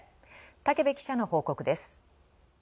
武部記者の報告です。